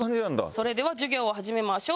それでは授業を始めましょう。